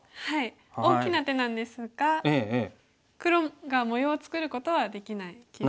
大きな手なんですが黒が模様を作ることはできない棋譜。